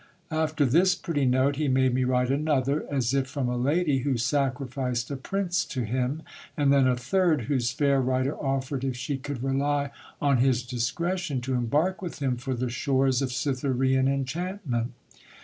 After this pretty note, he made me write another, as if from a lady who sacrificed a prince to him; and then a third, whose fair writer offered, if she could rely on his discretion, to embark with him for the shores of Cytherean enchantment.